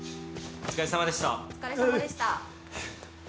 お疲れさまでした。